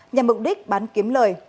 nhằm mục đích bán kiếm lời